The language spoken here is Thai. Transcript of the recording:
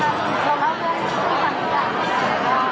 ขอบคุณครับขอบคุณครับ